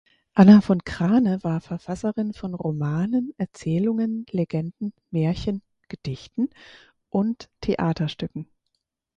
Anna von Krane war Verfasserin von Romanen, Erzählungen, Legenden, Märchen, Gedichten und Theaterstücken.